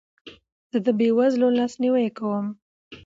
زه د بې وزلو لاسنیوی کوم.